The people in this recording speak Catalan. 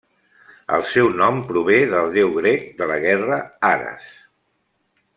El seu nom prové del déu grec de la guerra Ares.